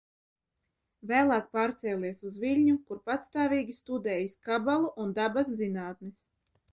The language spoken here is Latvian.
Vēlāk pārcēlies uz Viļņu, kur patstāvīgi studējis Kabalu un dabaszinātnes.